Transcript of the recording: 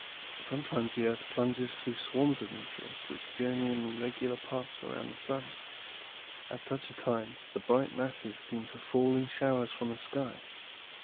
"Sometimes the earth plunges through swarms of meteors, which journey in regular paths around the sun. At such a time, the bright masses seem to fall in showers from the sky.